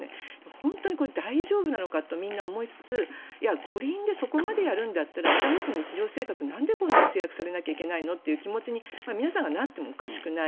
本当にこれ、大丈夫なのかとみんな思いつついや、五輪でそこまでやるんだったら私たちの日常生活なんでこんなに制約されなきゃいけないの？って気持ちに皆さんがなってもおかしくない。